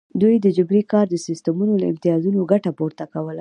دوی د جبري کار د سیستمونو له امتیازاتو ګټه پورته کوله.